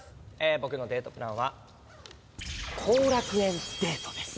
僕のデートプランは後楽園デートです。